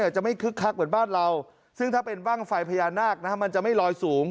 จะไม่คึกคักเหมือนบ้านเราซึ่งถ้าเป็นบ้างไฟพญานาคมันจะไม่ลอยสูง